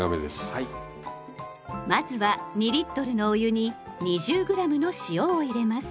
まずは２のお湯に２０ｇの塩を入れます。